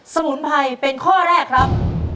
สมุนไพรเป็นข้อแรกครับ